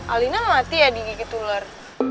alina mau mati ya di gigi tular